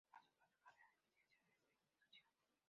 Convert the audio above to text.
Pasó toda su carrera de investigación en esta institución.